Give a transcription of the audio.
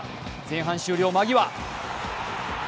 前半終了間際。